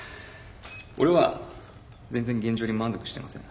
俺は全然現状に満足してません。